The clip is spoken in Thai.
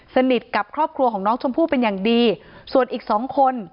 สนิทกับครอบครัวของน้องชมพู่เป็นอย่างดีส่วนอีกสองคน